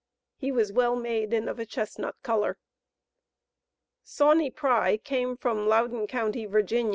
He was well made and of a chestnut color. Sauney Pry came from Loudon Co., Va.